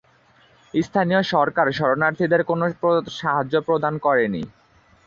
স্থানীয় সরকার শরণার্থীদের কোন সাহায্য প্রদান করেনি।